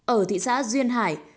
ở thị xã duyên hải